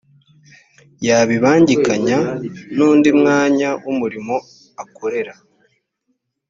yabibangikanya n undi mwanya w umurimo akorera